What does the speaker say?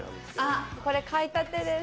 これ買いたてです。